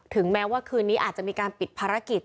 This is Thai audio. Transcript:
แม้ว่าคืนนี้อาจจะมีการปิดภารกิจ